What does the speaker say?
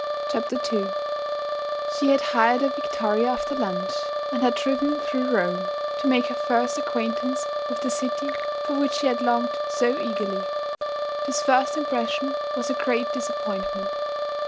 CHAPTER II She had hired a victoria after lunch and had driven through Rome, to make her first acquaintance with the city for which she had longed so eagerly. This first impression was a great disappointment.